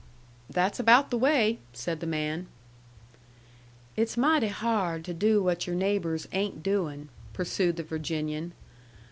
"That's about the way," said the man. "It's mighty hard to do what your neighbors ain't doin'," pursued the Virginian.